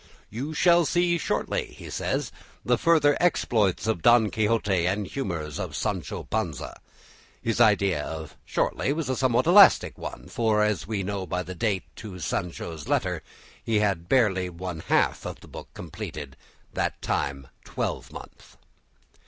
"You shall see shortly," he says, "the further exploits of Don Quixote and humours of Sancho Panza." His idea of "shortly" was a somewhat elastic one, for, as we know by the date to Sancho's letter, he had barely one half of the book completed that time twelvemonth.